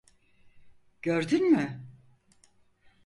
Gördün mü?